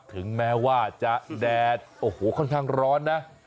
ถึงแม้ว่าจะแดดโอ้โหค่อนข้างร้อนนะ